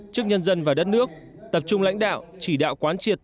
trước nhân dân và đất nước tập trung lãnh đạo chỉ đạo quán triệt